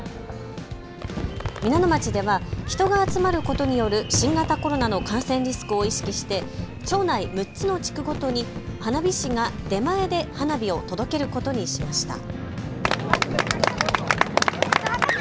皆野町では人が集まることによる新型コロナの感染リスクを意識して町内６つの地区ごとに花火師が出前で花火を届けることにしました。